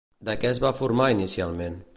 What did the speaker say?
De què es va formar inicialment?